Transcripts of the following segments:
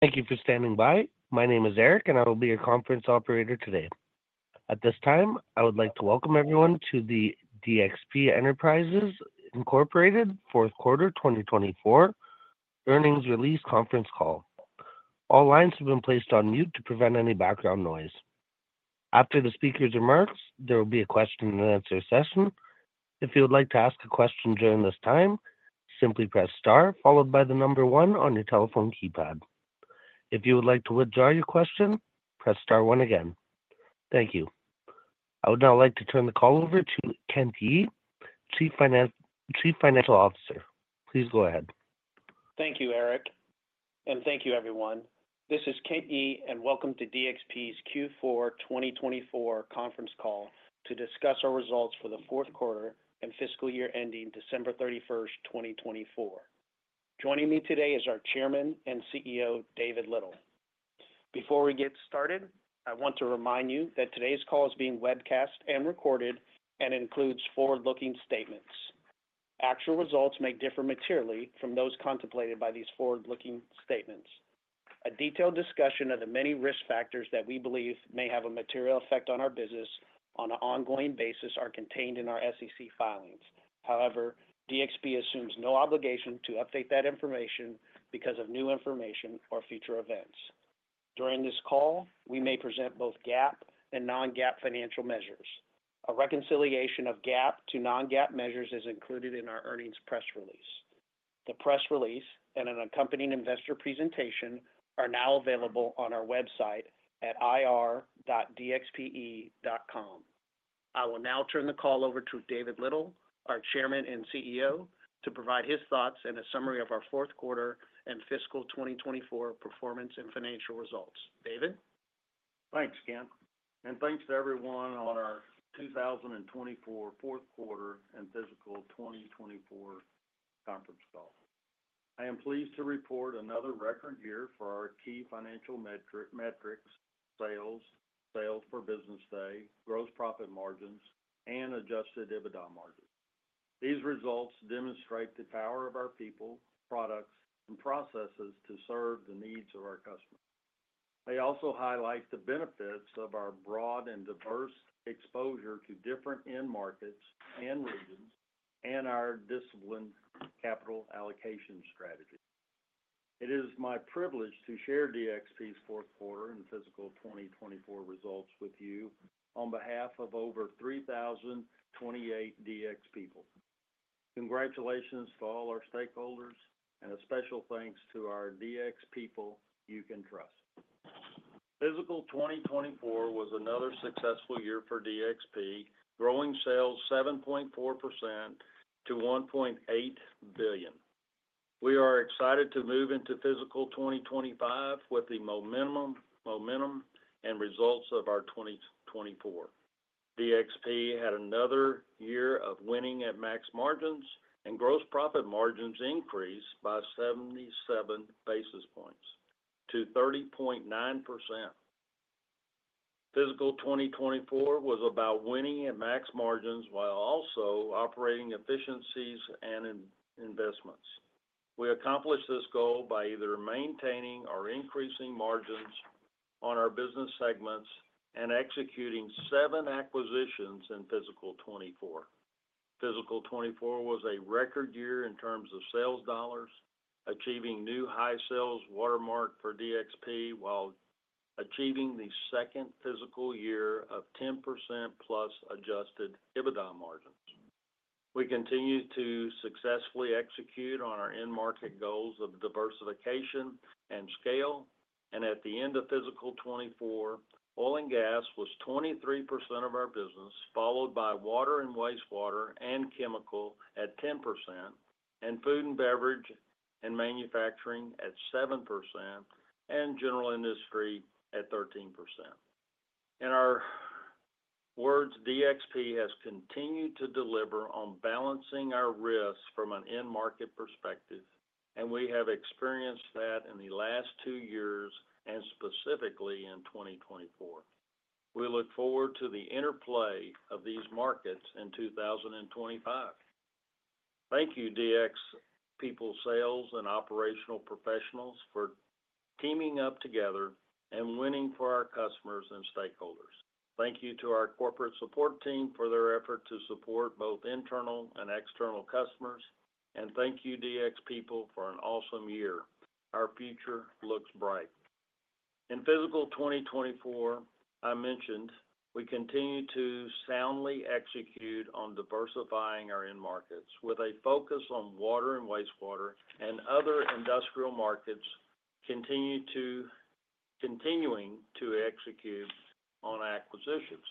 Thank you for standing by. My name is Eric, and I will be your conference operator today. At this time, I would like to welcome everyone to the DXP Enterprises Fourth Quarter 2024 earnings release Conference Call. All lines have been placed on mute to prevent any background noise. After the speaker's remarks, there will be a question-and-answer session. If you would like to ask a question during this time, simply press star followed by the number one on your telephone keypad. If you would like to withdraw your question, press star one again. Thank you. I would now like to turn the call over to Kent Yee, Chief Financial Officer. Please go ahead. Thank you, Eric, and thank you, everyone. This is Kent Yee, and welcome to DXP's Q4 2024 Conference Call to discuss our results for the fourth quarter and fiscal year ending December 31st, 2024. Joining me today is our Chairman and CEO, David Little. Before we get started, I want to remind you that today's call is being webcast and recorded and includes forward-looking statements. Actual results may differ materially from those contemplated by these forward-looking statements. A detailed discussion of the many risk factors that we believe may have a material effect on our business on an ongoing basis is contained in our SEC filings. However, DXP assumes no obligation to update that information because of new information or future events. During this call, we may present both GAAP and non-GAAP financial measures. A reconciliation of GAAP to non-GAAP measures is included in our earnings press release. The press release and an accompanying investor presentation are now available on our website at irdxpe.com. I will now turn the call over to David Little, our Chairman and CEO, to provide his thoughts and a summary of our fourth quarter and fiscal 2024 performance and financial results. David? Thanks, Kent, and thanks to everyone on our 2024 fourth quarter and fiscal 2024 conference call. I am pleased to report another record year for our key financial metrics: sales, sales per business day, gross profit margins, and adjusted EBITDA margins. These results demonstrate the power of our people, products, and processes to serve the needs of our customers. They also highlight the benefits of our broad and diverse exposure to different end markets and regions, and our disciplined capital allocation strategy. It is my privilege to share DXP's fourth quarter and fiscal 2024 results with you on behalf of over 3,028 DX people. Congratulations to all our stakeholders, and a special thanks to our DX people you can trust. Fiscal 2024 was another successful year for DXP, growing sales 7.4% to $1.8 billion. We are excited to move into fiscal 2025 with the momentum and results of our 2024. DXP had another year of winning at max margins, and gross profit margins increased by 77 basis points to 30.9%. Fiscal 2024 was about winning at max margins while also operating efficiencies and investments. We accomplished this goal by either maintaining or increasing margins on our business segments and executing seven acquisitions in fiscal 2024. Fiscal 2024 was a record year in terms of sales dollars, achieving new high sales watermark for DXP while achieving the second fiscal year of 10% plus adjusted EBITDA margins. We continued to successfully execute on our end market goals of diversification and scale, and at the end of fiscal 2024, oil and gas was 23% of our business, followed by water and wastewater and chemical at 10%, and food and beverage and manufacturing at 7%, and general industry at 13%. In our words, DXP has continued to deliver on balancing our risks from an end market perspective, and we have experienced that in the last two years and specifically in 2024. We look forward to the interplay of these markets in 2025. Thank you, DX people, sales, and operational professionals for teaming up together and winning for our customers and stakeholders. Thank you to our corporate support team for their effort to support both internal and external customers, and thank you, DX people, for an awesome year. Our future looks bright. In fiscal 2024, I mentioned we continue to soundly execute on diversifying our end markets with a focus on water and wastewater and other industrial markets, continuing to execute on acquisitions,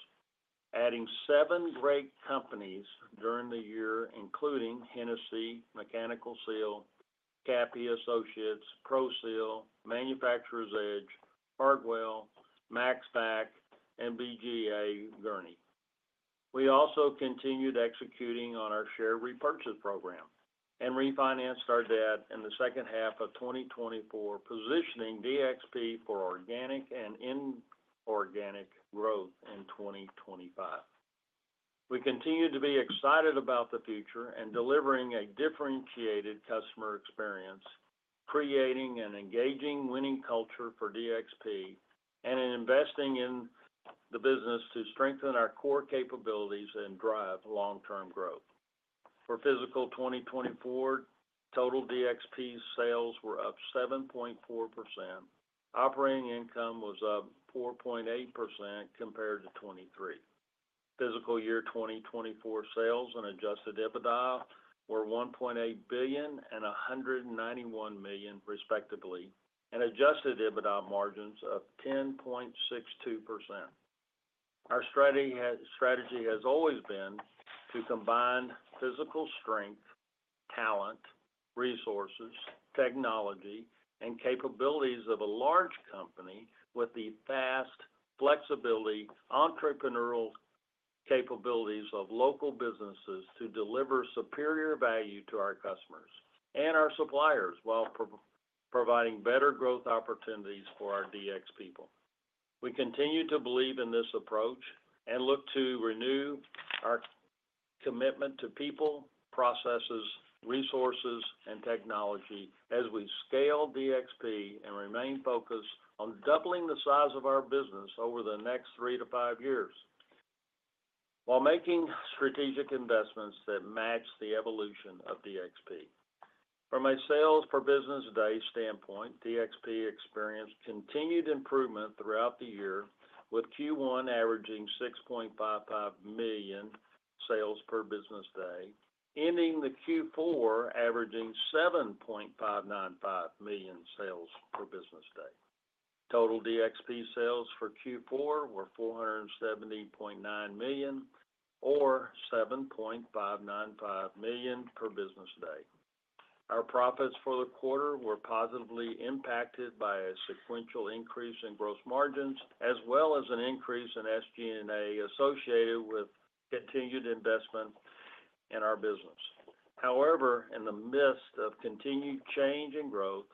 adding seven great companies during the year, including Hennessey Mechanical Sales, Kappe Associates, Pro-Seal, Manufacturer's Edge, Hartwell Environmental, Max-Pak, and BGA Gurney. We also continued executing on our share repurchase program and refinanced our debt in the second half of 2024, positioning DXP for organic and inorganic growth in 2025. We continue to be excited about the future and delivering a differentiated customer experience, creating an engaging, winning culture for DXP, and investing in the business to strengthen our core capabilities and drive long-term growth. For fiscal 2024, total DXP sales were up 7.4%. Operating income was up 4.8% compared to 2023. Fiscal year 2024 sales and adjusted EBITDA were $1.8 billion and $191 million, respectively, and adjusted EBITDA margins of 10.62%. Our strategy has always been to combine physical strength, talent, resources, technology, and capabilities of a large company with the fast flexibility and entrepreneurial capabilities of local businesses to deliver superior value to our customers and our suppliers while providing better growth opportunities for our DXP people. We continue to believe in this approach and look to renew our commitment to people, processes, resources, and technology as we scale DXP and remain focused on doubling the size of our business over the next three to five years while making strategic investments that match the evolution of DXP. From a sales per business day standpoint, DXP experienced continued improvement throughout the year, with Q1 averaging $6.55 million sales per business day, ending the Q4 averaging $7.595 million sales per business day. Total DXP sales for Q4 were $470.9 million, or $7.595 million per business day. Our profits for the quarter were positively impacted by a sequential increase in gross margins, as well as an increase in SG&A associated with continued investment in our business. However, in the midst of continued change and growth,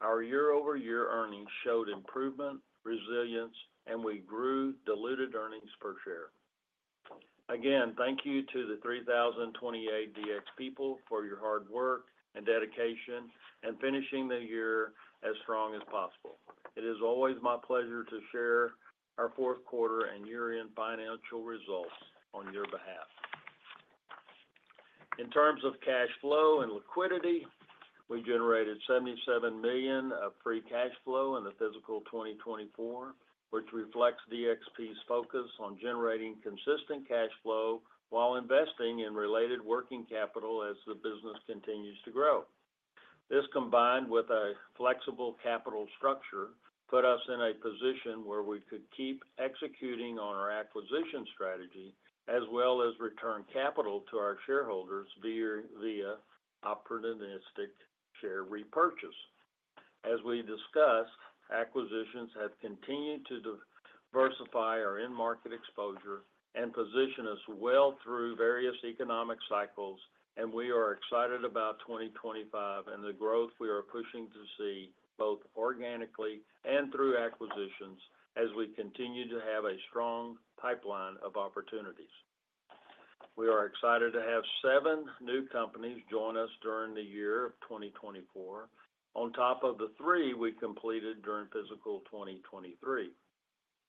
our year-over-year earnings showed improvement, resilience, and we grew diluted earnings per share. Again, thank you to the 3,028 DXP people for your hard work and dedication in finishing the year as strong as possible. It is always my pleasure to share our fourth quarter and year-end financial results on your behalf. In terms of cash flow and liquidity, we generated $77 million of free cash flow in the fiscal 2024, which reflects DXP's focus on generating consistent cash flow while investing in related working capital as the business continues to grow. This, combined with a flexible capital structure, put us in a position where we could keep executing on our acquisition strategy as well as return capital to our shareholders via opportunistic share repurchase. As we discussed, acquisitions have continued to diversify our end market exposure and position us well through various economic cycles, and we are excited about 2025 and the growth we are pushing to see both organically and through acquisitions as we continue to have a strong pipeline of opportunities. We are excited to have seven new companies join us during the year of 2024, on top of the three we completed during fiscal 2023.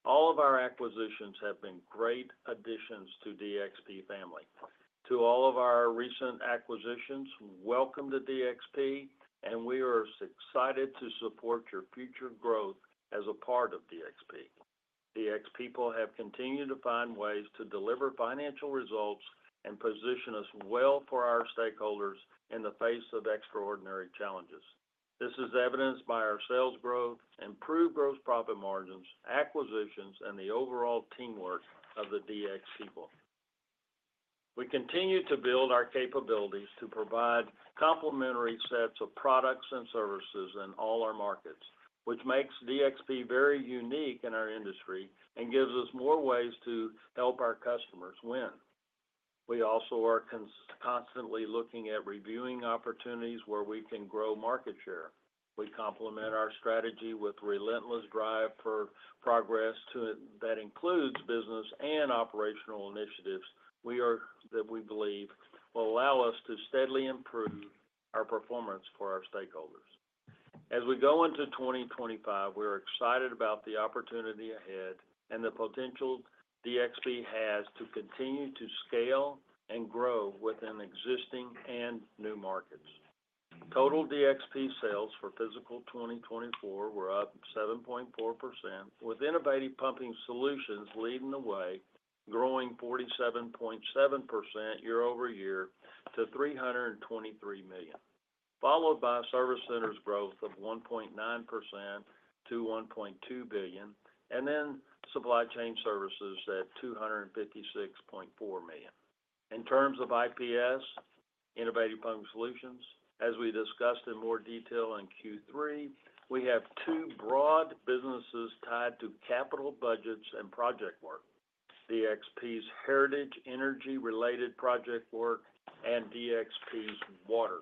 All of our acquisitions have been great additions to the DXP family. To all of our recent acquisitions, welcome to DXP, and we are excited to support your future growth as a part of DXP. DXP people have continued to find ways to deliver financial results and position us well for our stakeholders in the face of extraordinary challenges. This is evidenced by our sales growth, improved gross profit margins, acquisitions, and the overall teamwork of the DX people. We continue to build our capabilities to provide complementary sets of products and services in all our markets, which makes DXP very unique in our industry and gives us more ways to help our customers win. We also are constantly looking at reviewing opportunities where we can grow market share. We complement our strategy with a relentless drive for progress that includes business and operational initiatives that we believe will allow us to steadily improve our performance for our stakeholders. As we go into 2025, we are excited about the opportunity ahead and the potential DXP has to continue to scale and grow within existing and new markets. Total DXP sales for fiscal 2024 were up 7.4%, with Innovative Pumping Solutions leading the way, growing 47.7% year-over-year to $323 million, followed by Service Centers' growth of 1.9% to $1.2 billion, and then Supply Chain Services at $256.4 million. In terms of IPS, Innovative Pumping Solutions, as we discussed in more detail in Q3, we have two broad businesses tied to capital budgets and project work: DXP's heritage energy-related project work and DXP's water.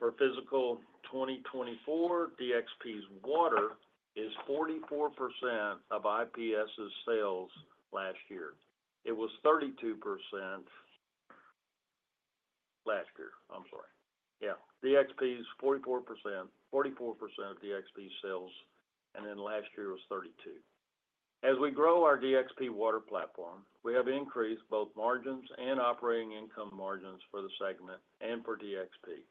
For fiscal 2024, DXP's water is 44% of IPS's sales. Last year, it was 32%. I'm sorry. Yeah, DXP's 44%, 44% of DXP's sales, and then last year was 32%. As we grow our DXP Water platform, we have increased both margins and operating income margins for the segment and for DXP.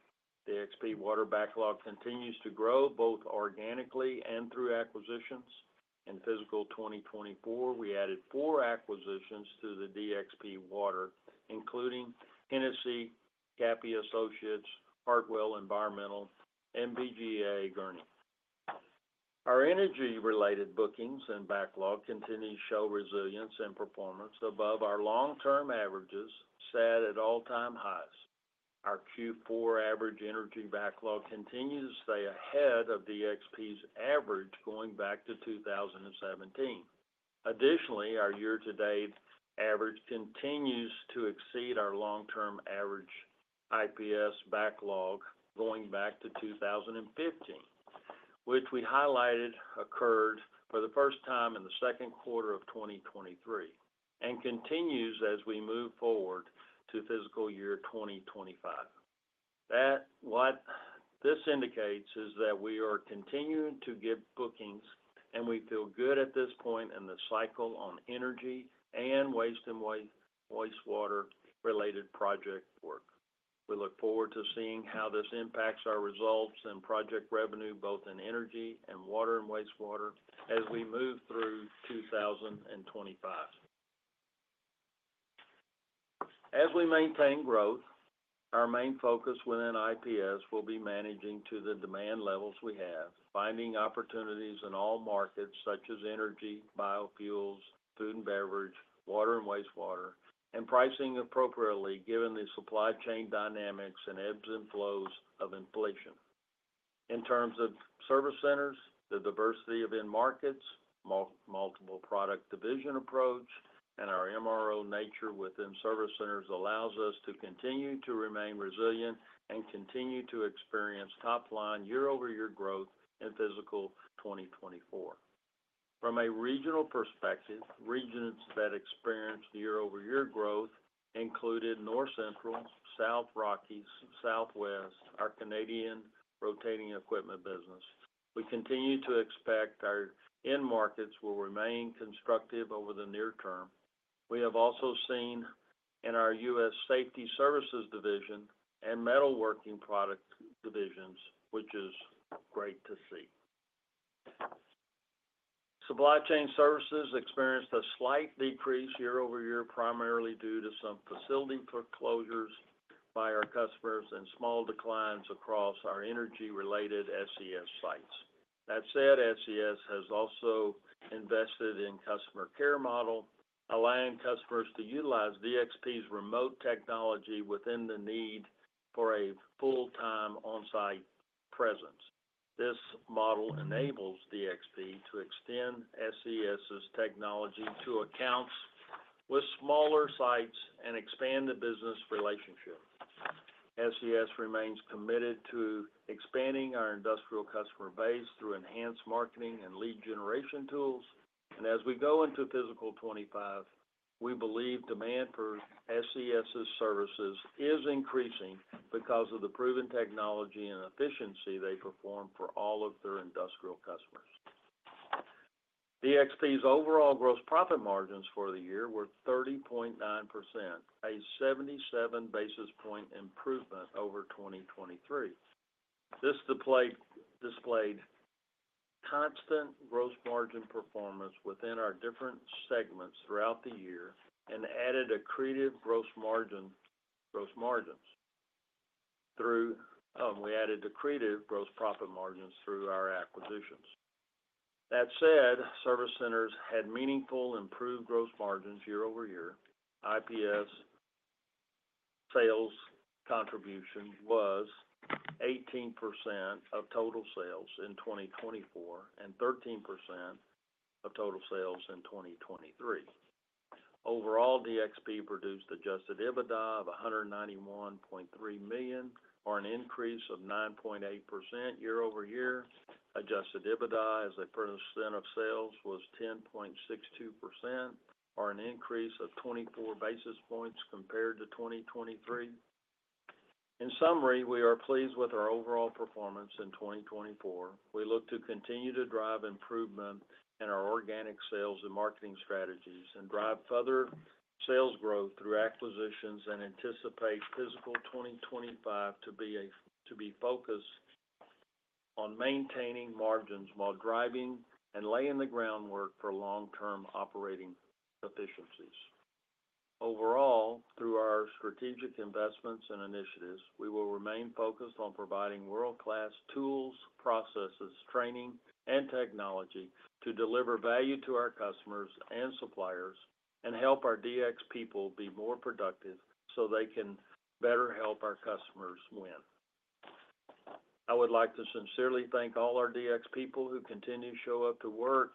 DXP Water backlog continues to grow both organically and through acquisitions. In fiscal 2024, we added four acquisitions to the DXP Water, including Hennessey Mechanical Sales, Kappe Associates, Hartwell Environmental, and BGA Gurney. Our energy-related bookings and backlog continue to show resilience and performance above our long-term averages, set at all-time highs. Our Q4 average energy backlog continues to stay ahead of DXP's average going back to 2017. Additionally, our year-to-date average continues to exceed our long-term average IPS backlog going back to 2015, which we highlighted occurred for the first time in the second quarter of 2023 and continues as we move forward to fiscal year 2025. What this indicates is that we are continuing to get bookings, and we feel good at this point in the cycle on energy and waste and wastewater-related project work. We look forward to seeing how this impacts our results and project revenue, both in energy and water and wastewater, as we move through 2025. As we maintain growth, our main focus within IPS will be managing to the demand levels we have, finding opportunities in all markets such as energy, biofuels, food and beverage, water and wastewater, and pricing appropriately given the supply chain dynamics and ebbs and flows of inflation. In terms of service centers, the diversity of end markets, multiple product division approach, and our MRO nature within service centers allows us to continue to remain resilient and continue to experience top-line year-over-year growth in fiscal 2024. From a regional perspective, regions that experienced year-over-year growth included North Central, South Rockies, Southwest, our Canadian rotating equipment business. We continue to expect our end markets will remain constructive over the near term. We have also seen in our U.S. Safety Services Division and metalworking product divisions, which is great to see. Supply Chain Services experienced a slight decrease year-over-year, primarily due to some facility foreclosures by our customers and small declines across our energy-related SCS sites. That said, SCS has also invested in a customer care model, allowing customers to utilize DXP's remote technology within the need for a full-time on-site presence. This model enables DXP to extend SCS's technology to accounts with smaller sites and expand the business relationship. SCS remains committed to expanding our industrial customer base through enhanced marketing and lead generation tools, and as we go into fiscal 2025, we believe demand for SCS's services is increasing because of the proven technology and efficiency they perform for all of their industrial customers. DXP's overall gross profit margins for the year were 30.9%, a 77 basis point improvement over 2023. This displayed constant gross margin performance within our different segments throughout the year and added accretive gross margins through our acquisitions. That said, service centers had meaningful, improved gross margins year-over-year. IPS sales contribution was 18% of total sales in 2024 and 13% of total sales in 2023. Overall, DXP produced adjusted EBITDA of $191.3 million, or an increase of 9.8% year-over-year. Adjusted EBITDA as a percent of sales was 10.62%, or an increase of 24 basis points compared to 2023. In summary, we are pleased with our overall performance in 2024. We look to continue to drive improvement in our organic sales and marketing strategies and drive further sales growth through acquisitions and anticipate fiscal 2025 to be focused on maintaining margins while driving and laying the groundwork for long-term operating efficiencies. Overall, through our strategic investments and initiatives, we will remain focused on providing world-class tools, processes, training, and technology to deliver value to our customers and suppliers and help our DX people be more productive so they can better help our customers win. I would like to sincerely thank all our DX people who continue to show up to work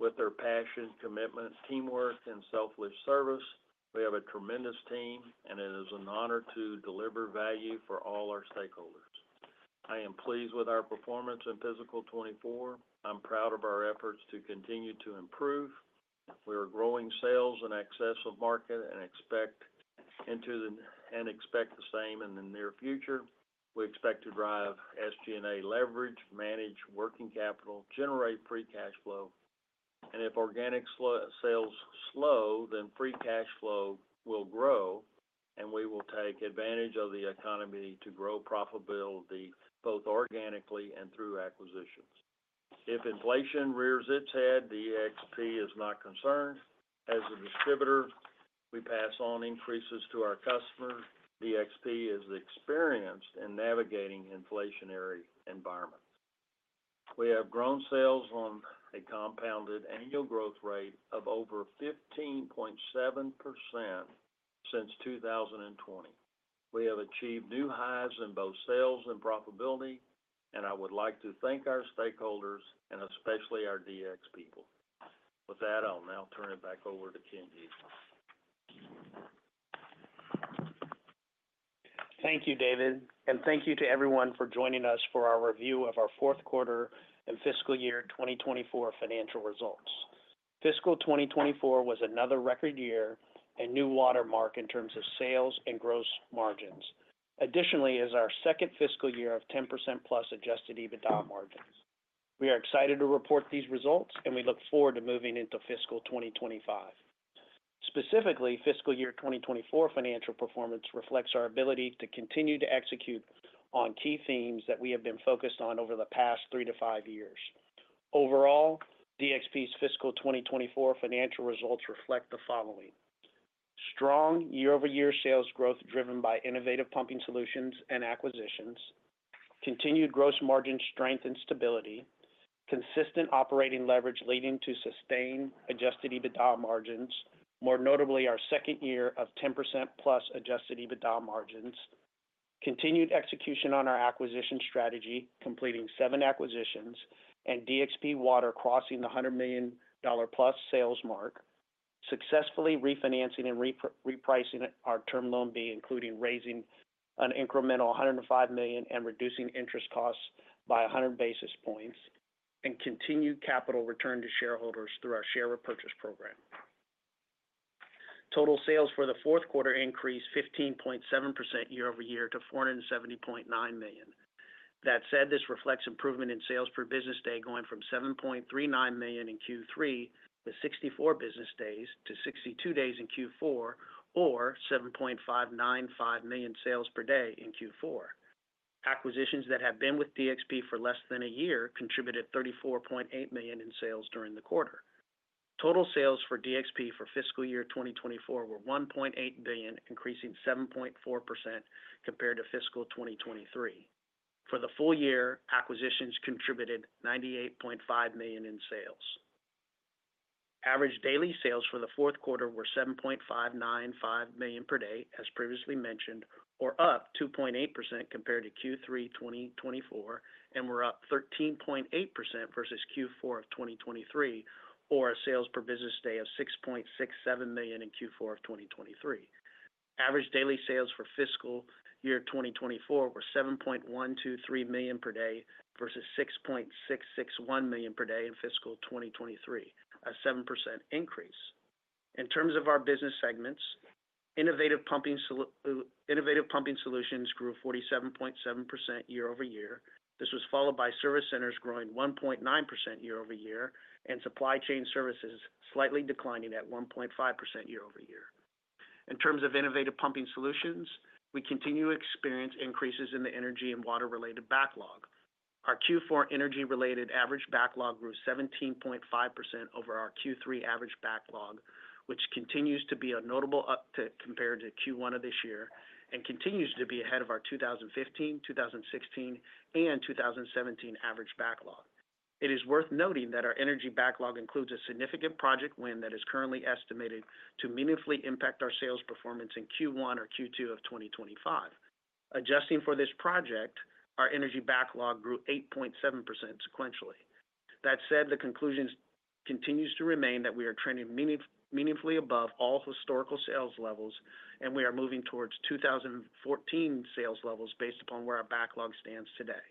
with their passion, commitment, teamwork, and selfless service. We have a tremendous team, and it is an honor to deliver value for all our stakeholders. I am pleased with our performance in fiscal 2024. I'm proud of our efforts to continue to improve. We are growing sales in excess of market and expect the same in the near future. We expect to drive SG&A leverage, manage working capital, generate free cash flow, and if organic sales slow, then free cash flow will grow, and we will take advantage of the economy to grow profitability both organically and through acquisitions. If inflation rears its head, DXP is not concerned. As a distributor, we pass on increases to our customers. DXP is experienced in navigating inflationary environments. We have grown sales on a compounded annual growth rate of over 15.7% since 2020. We have achieved new highs in both sales and profitability, and I would like to thank our stakeholders and especially our DXP people. With that, I'll now turn it back over to Kent Yee. Thank you, David, and thank you to everyone for joining us for our review of our fourth quarter and fiscal year 2024 financial results. Fiscal 2024 was another record year and new watermark in terms of sales and gross margins. Additionally, it is our second fiscal year of 10%+ adjusted EBITDA margins. We are excited to report these results, and we look forward to moving into fiscal 2025. Specifically, fiscal year 2024 financial performance reflects our ability to continue to execute on key themes that we have been focused on over the past three to five years. Overall, DXP's fiscal 2024 financial results reflect the following: strong year-over-year sales growth driven by Innovative Pumping Solutions and acquisitions, continued gross margin strength and stability, consistent operating leverage leading to sustained adjusted EBITDA margins, more notably our second year of 10% plus adjusted EBITDA margins, continued execution on our acquisition strategy, completing seven acquisitions, and DXP Water crossing the $100 million plus sales mark, successfully refinancing and repricing our Term Loan B, including raising an incremental $105 million and reducing interest costs by 100 basis points, and continued capital return to shareholders through our share repurchase program. Total sales for the fourth quarter increased 15.7% year-over-year to $470.9 million. That said, this reflects improvement in sales per business day going from $7.39 million in Q3 with 64 business days to 62 days in Q4, or $7.595 million sales per day in Q4. Acquisitions that have been with DXP for less than a year contributed $34.8 million in sales during the quarter. Total sales for DXP for fiscal year 2024 were $1.8 billion, increasing 7.4% compared to fiscal 2023. For the full year, acquisitions contributed $98.5 million in sales. Average daily sales for the fourth quarter were $7.595 million per day, as previously mentioned, or up 2.8% compared to Q3 2024, and were up 13.8% versus Q4 of 2023, or a sales per business day of $6.67 million in Q4 of 2023. Average daily sales for fiscal year 2024 were $7.123 million per day versus $6.661 million per day in fiscal 2023, a 7% increase. In terms of our business segments, Innovative Pumping Solutions grew 47.7% year-over-year. This was followed by Service Centers growing 1.9% year-over-year and Supply Chain Services slightly declining at 1.5% year-over-year. In terms of Innovative Pumping Solutions, we continue to experience increases in the energy and water-related backlog. Our Q4 energy-related average backlog grew 17.5% over our Q3 average backlog, which continues to be a notable uptick compared to Q1 of this year and continues to be ahead of our 2015, 2016, and 2017 average backlog. It is worth noting that our energy backlog includes a significant project win that is currently estimated to meaningfully impact our sales performance in Q1 or Q2 of 2025. Adjusting for this project, our energy backlog grew 8.7% sequentially. That said, the conclusion continues to remain that we are trending meaningfully above all historical sales levels, and we are moving towards 2014 sales levels based upon where our backlog stands today.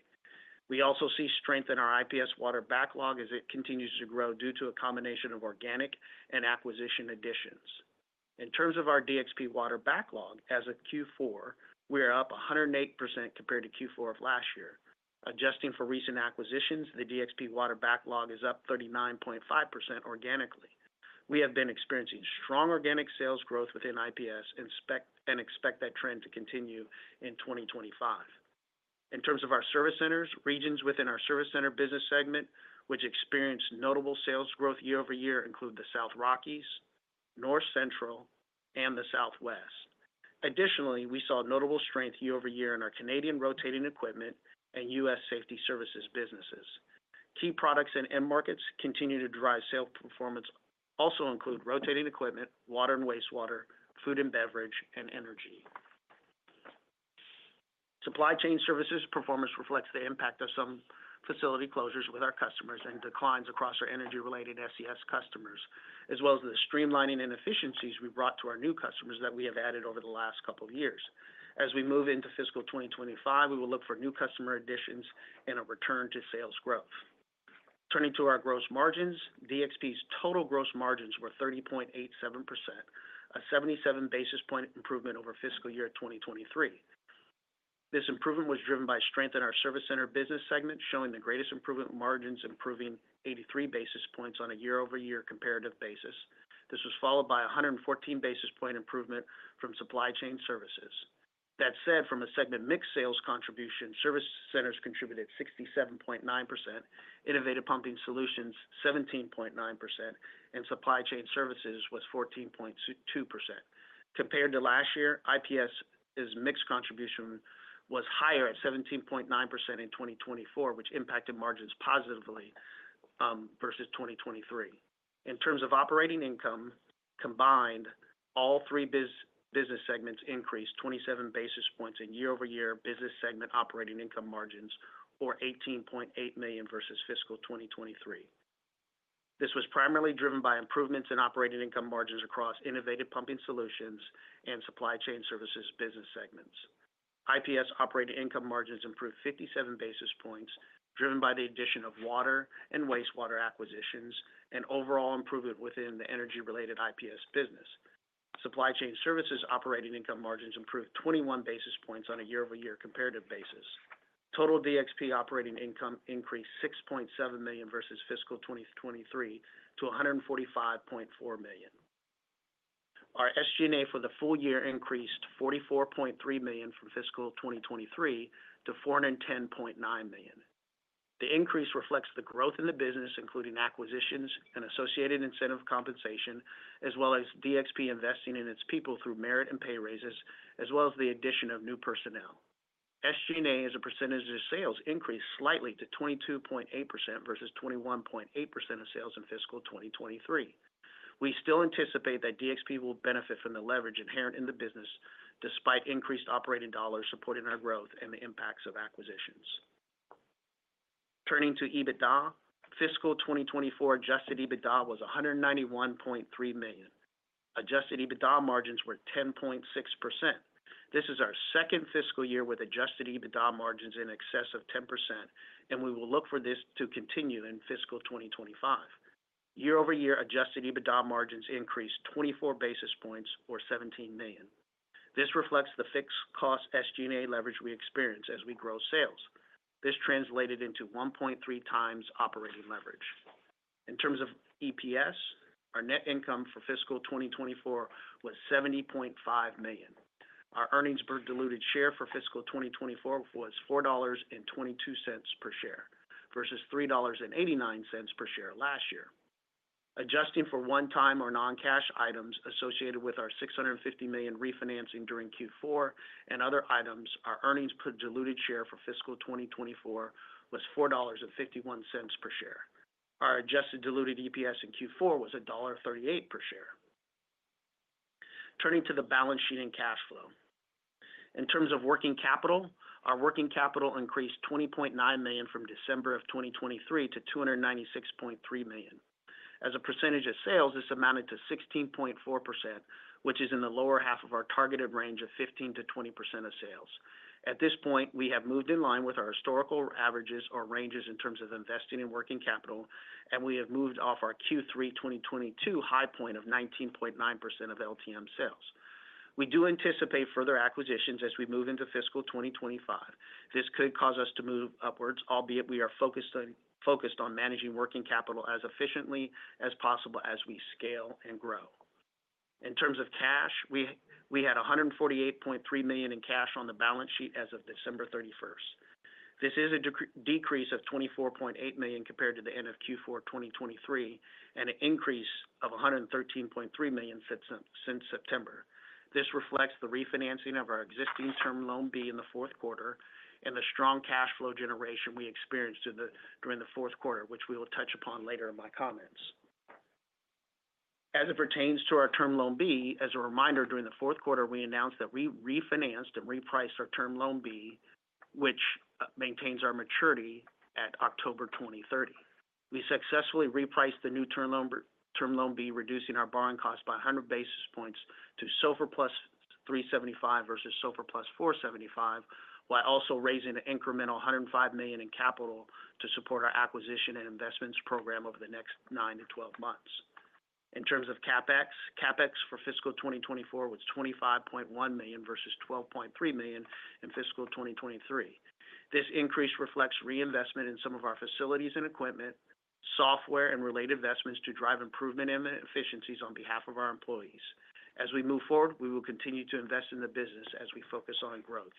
We also see strength in our IPS water backlog as it continues to grow due to a combination of organic and acquisition additions. In terms of our DXP Water backlog, as of Q4, we are up 108% compared to Q4 of last year. Adjusting for recent acquisitions, the DXP Water backlog is up 39.5% organically. We have been experiencing strong organic sales growth within IPS and expect that trend to continue in 2025. In terms of our service centers, regions within our service center business segment, which experienced notable sales growth year-over-year, include the South Rockies, North Central, and the Southwest. Additionally, we saw notable strength year-over-year in our Canadian rotating equipment and U.S. Safety Services businesses. Key products and end markets continue to drive sales performance. Also include rotating equipment, water and wastewater, food and beverage, and energy. Supply chain services performance reflects the impact of some facility closures with our customers and declines across our energy-related SCS customers, as well as the streamlining and efficiencies we brought to our new customers that we have added over the last couple of years. As we move into fiscal 2025, we will look for new customer additions and a return to sales growth. Turning to our gross margins, DXP's total gross margins were 30.87%, a 77 basis point improvement over fiscal year 2023. This improvement was driven by strength in our service center business segment, showing the greatest improvement in margins, improving 83 basis points on a year-over-year comparative basis. This was followed by a 114 basis point improvement from supply chain services. That said, from a segment mix sales contribution, service centers contributed 67.9%, innovative pumping solutions 17.9%, and supply chain services was 14.2%. Compared to last year, IPS's mix contribution was higher at 17.9% in 2024, which impacted margins positively versus 2023. In terms of operating income combined, all three business segments increased 27 basis points in year-over-year business segment operating income margins, or $18.8 million versus fiscal 2023. This was primarily driven by improvements in operating income margins across Innovative Pumping Solutions and Supply Chain Services business segments. IPS operating income margins improved 57 basis points, driven by the addition of water and wastewater acquisitions and overall improvement within the energy-related IPS business. Supply Chain Services operating income margins improved 21 basis points on a year-over-year comparative basis. Total DXP operating income increased $6.7 million versus fiscal 2023 to $145.4 million. Our SG&A for the full year increased $44.3 million from fiscal 2023 to $410.9 million. The increase reflects the growth in the business, including acquisitions and associated incentive compensation, as well as DXP investing in its people through merit and pay raises, as well as the addition of new personnel. SG&A as a percentage of sales increased slightly to 22.8% versus 21.8% of sales in fiscal 2023. We still anticipate that DXP will benefit from the leverage inherent in the business despite increased operating dollars supporting our growth and the impacts of acquisitions. Turning to EBITDA, fiscal 2024 adjusted EBITDA was $191.3 million. Adjusted EBITDA margins were 10.6%. This is our second fiscal year with adjusted EBITDA margins in excess of 10%, and we will look for this to continue in fiscal 2025. Year-over-year adjusted EBITDA margins increased 24 basis points, or $17 million. This reflects the fixed cost SG&A leverage we experience as we grow sales. This translated into 1.3 times operating leverage. In terms of EPS, our net income for fiscal 2024 was $70.5 million. Our earnings per diluted share for fiscal 2024 was $4.22 per share versus $3.89 per share last year. Adjusting for one-time or non-cash items associated with our $650 million refinancing during Q4 and other items, our earnings per diluted share for fiscal 2024 was $4.51 per share. Our adjusted diluted EPS in Q4 was $1.38 per share. Turning to the balance sheet and cash flow. In terms of working capital, our working capital increased $20.9 million from December of 2023 to $296.3 million. As a percentage of sales, this amounted to 16.4%, which is in the lower half of our targeted range of 15%-20% of sales. At this point, we have moved in line with our historical averages or ranges in terms of investing in working capital, and we have moved off our Q3 2022 high point of 19.9% of LTM sales. We do anticipate further acquisitions as we move into fiscal 2025. This could cause us to move upwards, albeit we are focused on managing working capital as efficiently as possible as we scale and grow. In terms of cash, we had $148.3 million in cash on the balance sheet as of December 31. This is a decrease of $24.8 million compared to the end of Q4 2023 and an increase of $113.3 million since September. This reflects the refinancing of our existing Term Loan B in the fourth quarter and the strong cash flow generation we experienced during the fourth quarter, which we will touch upon later in my comments. As it pertains to our Term Loan B, as a reminder, during the fourth quarter, we announced that we refinanced and repriced our Term Loan B, which maintains our maturity at October 2030. We successfully repriced the new Term Loan B, reducing our borrowing cost by 100 basis points to SOFR plus 375 versus SOFR plus 475, while also raising an incremental $105 million in capital to support our acquisition and investments program over the next 9-12 months. In terms of CapEx, CapEx for fiscal 2024 was $25.1 million versus $12.3 million in fiscal 2023. This increase reflects reinvestment in some of our facilities and equipment, software, and related investments to drive improvement in the efficiencies on behalf of our employees. As we move forward, we will continue to invest in the business as we focus on growth.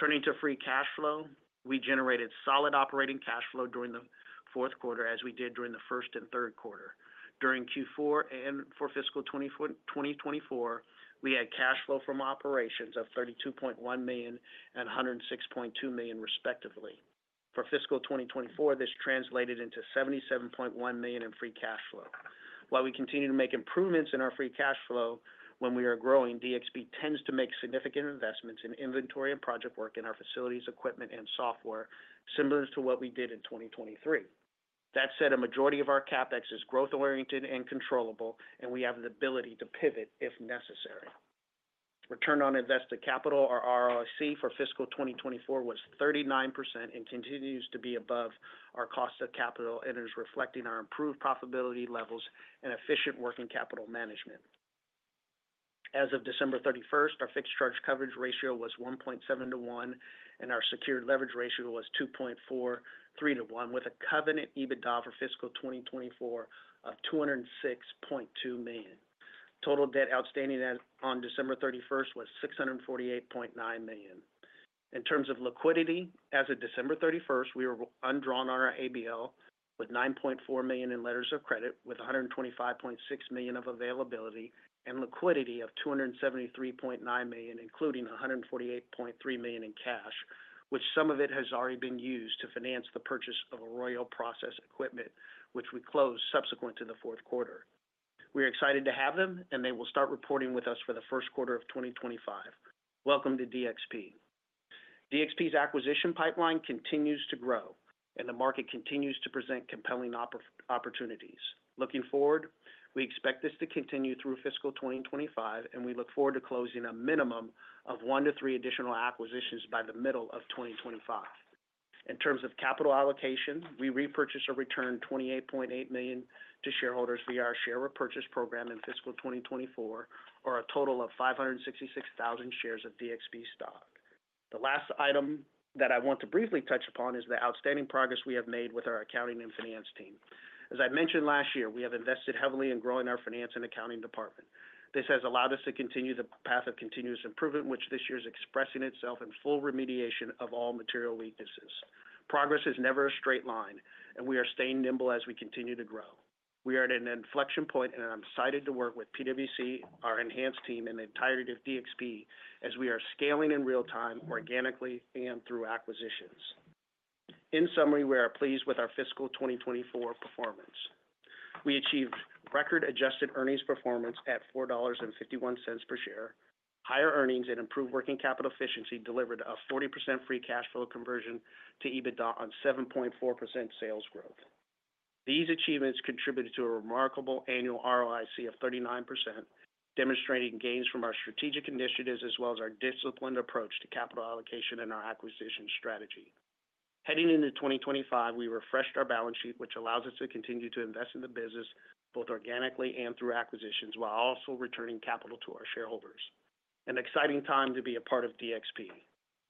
Turning to free cash flow, we generated solid operating cash flow during the fourth quarter as we did during the first and third quarter. During Q4 and for fiscal 2024, we had cash flow from operations of $32.1 million and $106.2 million respectively. For fiscal 2024, this translated into $77.1 million in free cash flow. While we continue to make improvements in our free cash flow, when we are growing, DXP tends to make significant investments in inventory and project work in our facilities, equipment, and software, similar to what we did in 2023. That said, a majority of our CapEx is growth-oriented and controllable, and we have the ability to pivot if necessary. Return on invested capital, or ROIC, for fiscal 2024 was 39% and continues to be above our cost of capital and is reflecting our improved profitability levels and efficient working capital management. As of December 31st, our fixed charge coverage ratio was 1.7 to 1, and our secured leverage ratio was 2.43 to 1, with a covenant EBITDA for fiscal 2024 of $206.2 million. Total debt outstanding on December 31st was $648.9 million. In terms of liquidity, as of December 31st, we were undrawn on our ABL with $9.4 million in letters of credit, with $125.6 million of availability and liquidity of $273.9 million, including $148.3 million in cash, which some of it has already been used to finance the purchase of Arroyo Process Equipment, which we closed subsequent to the fourth quarter. We are excited to have them, and they will start reporting with us for the first quarter of 2025. Welcome to DXP. DXP's acquisition pipeline continues to grow, and the market continues to present compelling opportunities. Looking forward, we expect this to continue through fiscal 2025, and we look forward to closing a minimum of one to three additional acquisitions by the middle of 2025. In terms of capital allocation, we repurchased or returned $28.8 million to shareholders via our share repurchase program in fiscal 2024, or a total of 566,000 shares of DXP stock. The last item that I want to briefly touch upon is the outstanding progress we have made with our accounting and finance team. As I mentioned last year, we have invested heavily in growing our finance and accounting department. This has allowed us to continue the path of continuous improvement, which this year is expressing itself in full remediation of all material weaknesses. Progress is never a straight line, and we are staying nimble as we continue to grow. We are at an inflection point, and I'm excited to work with PwC, our enhanced team, and the entirety of DXP as we are scaling in real time, organically, and through acquisitions. In summary, we are pleased with our fiscal 2024 performance. We achieved record-adjusted earnings performance at $4.51 per share. Higher earnings and improved working capital efficiency delivered a 40% free cash flow conversion to EBITDA on 7.4% sales growth. These achievements contributed to a remarkable annual ROIC of 39%, demonstrating gains from our strategic initiatives as well as our disciplined approach to capital allocation and our acquisition strategy. Heading into 2025, we refreshed our balance sheet, which allows us to continue to invest in the business both organically and through acquisitions, while also returning capital to our shareholders. An exciting time to be a part of DXP.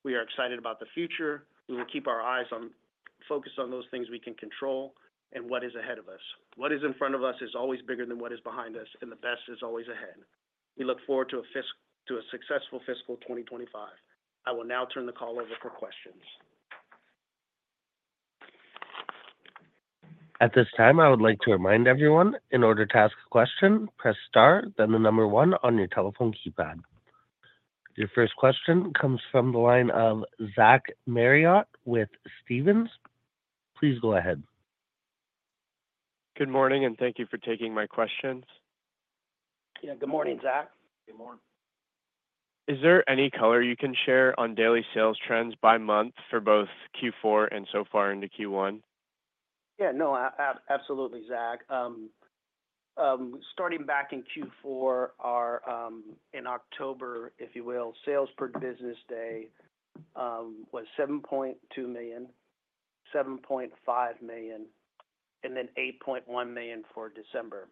We are excited about the future. We will keep our eyes focused on those things we can control and what is ahead of us. What is in front of us is always bigger than what is behind us, and the best is always ahead. We look forward to a successful fiscal 2025. I will now turn the call over for questions. At this time, I would like to remind everyone, in order to ask a question, press Star, then the number one on your telephone keypad. Your first question comes from the line of Zach Marriott with Stephens. Please go ahead. Good morning, and thank you for taking my questions. Yeah, good morning, Zach. Good morning. Is there any color you can share on daily sales trends by month for both Q4 and so far into Q1? Yeah, no, absolutely, Zach. Starting back in Q4, in October, if you will, sales per business day was $7.2 million, $7.5 million, and then $8.1 million for December.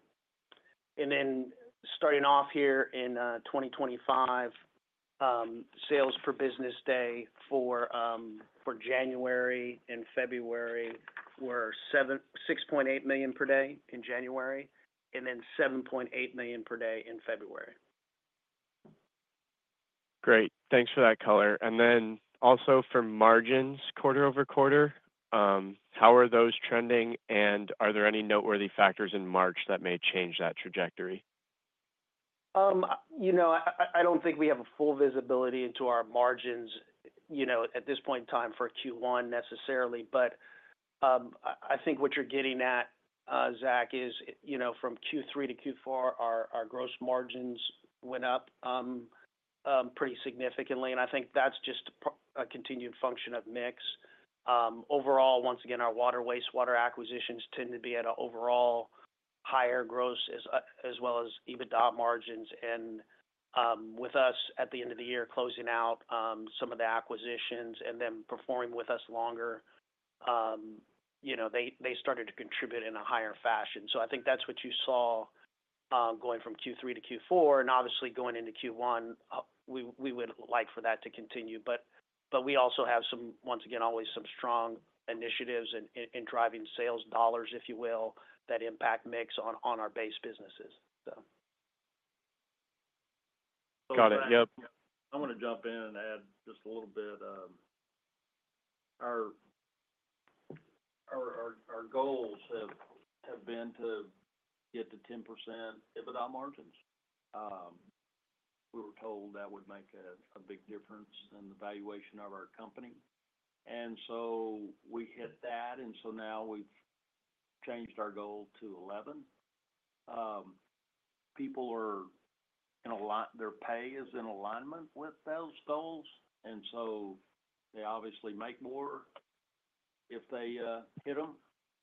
Starting off here in 2025, sales per business day for January and February were $6.8 million per day in January and then $7.8 million per day in February. Great. Thanks for that color. Also for margins, quarter-over-quarter, how are those trending, and are there any noteworthy factors in March that may change that trajectory? You know, I do not think we have full visibility into our margins at this point in time for Q1 necessarily, but I think what you are getting at, Zach, is from Q3 to Q4, our gross margins went up pretty significantly, and I think that is just a continued function of mix. Overall, once again, our water wastewater acquisitions tend to be at an overall higher gross as well as EBITDA margins, and with us at the end of the year closing out some of the acquisitions and them performing with us longer, they started to contribute in a higher fashion. I think that's what you saw going from Q3 to Q4, and obviously going into Q1, we would like for that to continue, but we also have some, once again, always some strong initiatives in driving sales dollars, if you will, that impact mix on our base businesses. Got it. Yep. I want to jump in and add just a little bit. Our goals have been to get to 10% EBITDA margins. We were told that would make a big difference in the valuation of our company. We hit that, and now we've changed our goal to 11. People are in a lot—their pay is in alignment with those goals, and they obviously make more if they hit them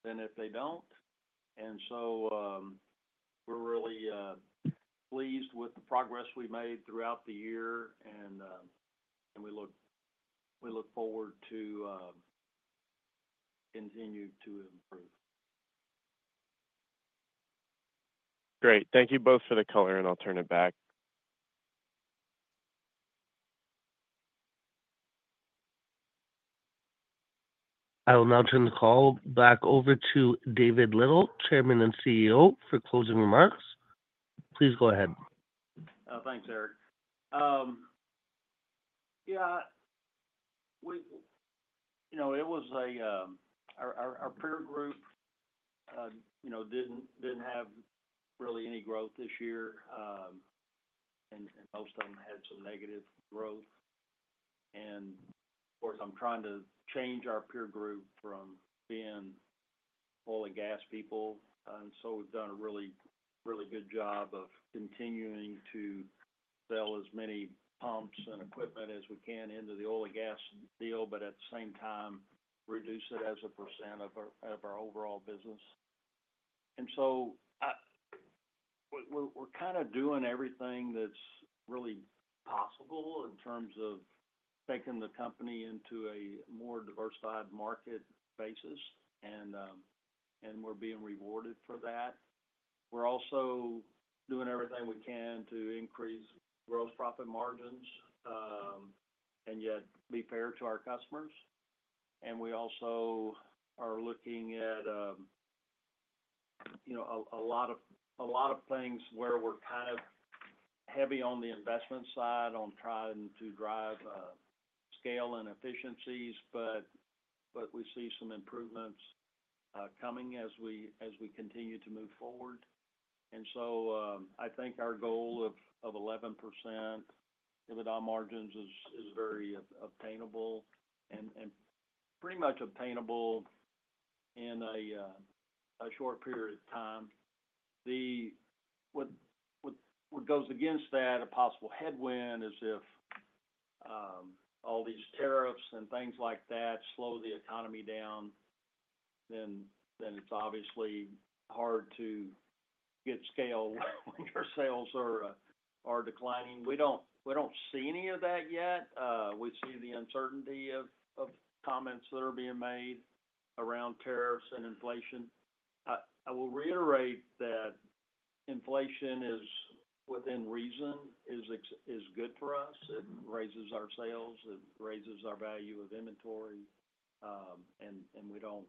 than if they do not. We are really pleased with the progress we made throughout the year, and we look forward to continuing to improve. Great. Thank you both for the color, and I'll turn it back. I will now turn the call back over to David Little, Chairman and CEO, for closing remarks. Please go ahead. Thanks, Eric. Yeah. Our peer group did not have really any growth this year, and most of them had some negative growth. Of course, I am trying to change our peer group from being oil and gas people. We have done a really good job of continuing to sell as many pumps and equipment as we can into the oil and gas deal, but at the same time, reduce it as a percent of our overall business. We are kind of doing everything that is really possible in terms of taking the company into a more diversified market basis, and we are being rewarded for that. We are also doing everything we can to increase gross profit margins and yet be fair to our customers. We also are looking at a lot of things where we are kind of heavy on the investment side on trying to drive scale and efficiencies, but we see some improvements coming as we continue to move forward. I think our goal of 11% EBITDA margins is very obtainable and pretty much obtainable in a short period of time. What goes against that, a possible headwind, is if all these tariffs and things like that slow the economy down, then it's obviously hard to get scale when your sales are declining. We don't see any of that yet. We see the uncertainty of comments that are being made around tariffs and inflation. I will reiterate that inflation, within reason, is good for us. It raises our sales. It raises our value of inventory, and we don't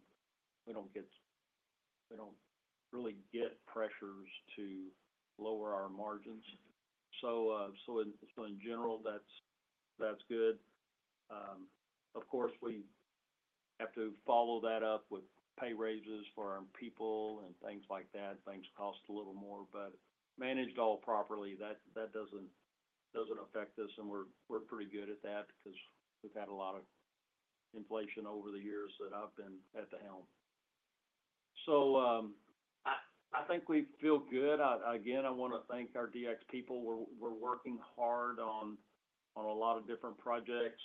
really get pressures to lower our margins. In general, that's good. Of course, we have to follow that up with pay raises for our people and things like that. Things cost a little more, but managed all properly, that doesn't affect us, and we're pretty good at that because we've had a lot of inflation over the years that I've been at the helm. I think we feel good. Again, I want to thank our DX people. We're working hard on a lot of different projects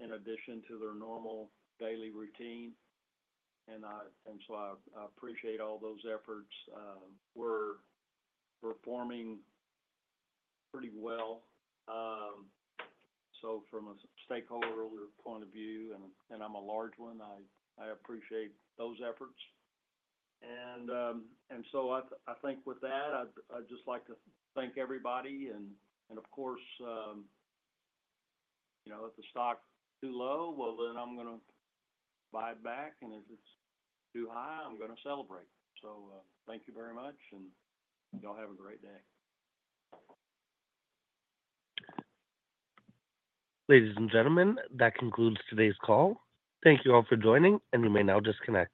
in addition to their normal daily routine. I appreciate all those efforts. We're performing pretty well. From a stakeholder point of view, and I'm a large one, I appreciate those efforts. I think with that, I'd just like to thank everybody. Of course, if the stock's too low, then I'm going to buy it back. If it's too high, I'm going to celebrate. Thank you very much, and y'all have a great day. Ladies and gentlemen, that concludes today's call. Thank you all for joining, and you may now disconnect.